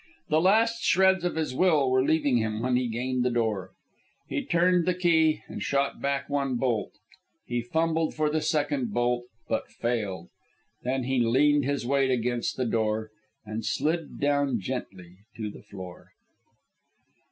The last shreds of his will were leaving him when he gained the door. He turned the key and shot back one bolt. He fumbled for the second bolt, but failed. Then he leaned his weight against the door and slid down gently to the floor.